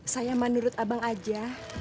saya menurut abang aja